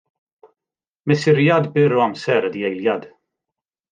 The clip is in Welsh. Mesuriad byr o amser ydy eiliad.